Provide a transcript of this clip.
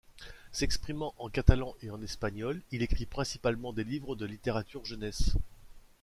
S'exprimant en catalan et en espagnol, il écrit principalement des livres de littérature jeunesse.